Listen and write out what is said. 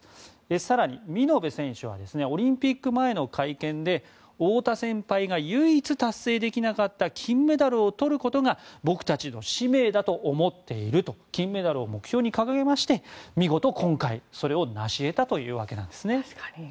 更に、見延選手はオリンピック前の会見で太田先輩が唯一達成できなかった金メダルを取ることが僕たちの使命だと思っていると金メダルを目標に掲げまして見事、今回それを成し得たというわけです。